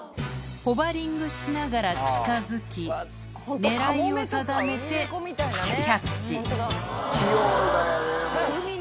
ホバリングしながら近づき狙いを定めてキャッチ器用だよね。